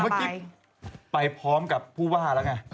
เมื่อกี้ไปพร้อมกับผู้ว่าแล้วไง